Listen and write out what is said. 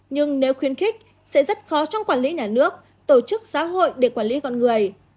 nhưng nếu khuyến khích sẽ rất khó trong quản lý nhà nước tổ chức xã hội để quản lý con người